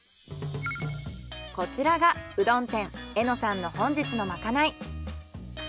こちらがうどん店笑乃讃の本日のまかない。